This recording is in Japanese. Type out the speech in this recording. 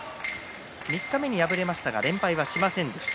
三日目に敗れましたが連敗はしませんでした。